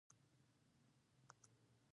ورزش د زړه روغتیا ته ګټه لري.